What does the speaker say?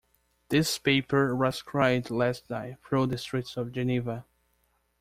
This paper was cried last night through the streets of Geneva.